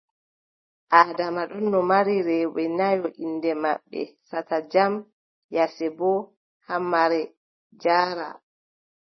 Adama ɗonno mari rewɓe nayo inɗe maɓɓe: Sata Jam, Yasebo, Hammare, Jaara.